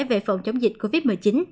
về phòng chống dịch covid một mươi chín